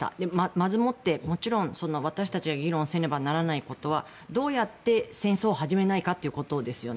まずもって、私たちが議論せねばいけないことはどうやって戦争を始めないかということですよね。